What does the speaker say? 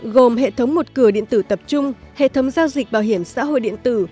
gồm hệ thống một cửa điện tử tập trung hệ thống giao dịch bảo hiểm xã hội điện tử